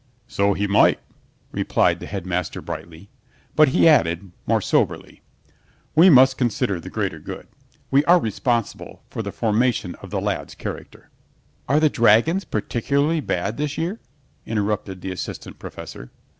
"So he might," replied the Headmaster brightly, but he added, more soberly, "We must consider the greater good. We are responsible for the formation of this lad's character." "Are the dragons particularly bad this year?" interrupted the Assistant Professor.